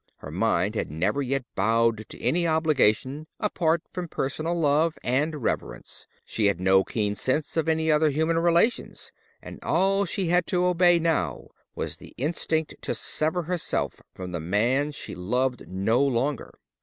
Her mind had never yet bowed to any obligation apart from personal love and reverence; she had no keen sense of any other human relations, and all she had to obey now was the instinct to sever herself from the man she loved no longer.